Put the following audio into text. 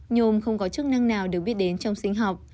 nhôm không có chức năng nào được biết đến trong sinh học